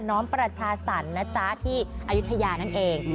้อมประชาสรรค์นะจ๊ะที่อายุทยานั่นเอง